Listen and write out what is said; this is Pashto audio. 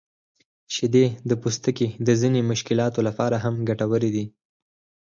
شیدې د پوستکي د ځینو مشکلاتو لپاره هم ګټورې دي.